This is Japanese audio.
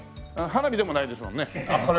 花火でもないですもんね？